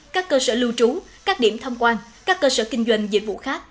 các cơ sở lưu trú các điểm thăm quan các cơ sở kinh doanh dịch vụ khác